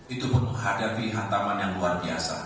itu pun menghadapi hantaman yang luar biasa